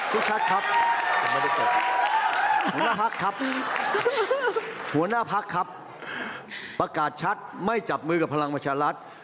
สุดชัดครับหัวหน้าพักครับหัวหน้าพักครับประกาศชัดไม่จับมือกับพลังมาชะลัด